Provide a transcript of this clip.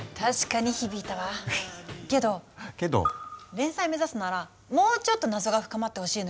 連載目指すならもうちょっと謎が深まってほしいのよね。